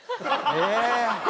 え！